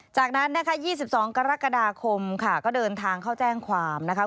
จากนั้นนะคะ๒๒กรกฎาคมค่ะก็เดินทางเข้าแจ้งความนะคะ